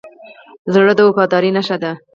زړه د وفادارۍ نښه ده.